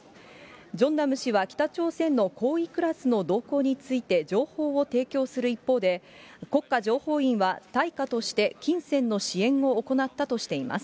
ジョンナム氏は北朝鮮の高位クラスの情報を提供する一方で、国家情報院は対価として、金銭の支援を行ったとしています。